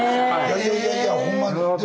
いやいやいやホンマに。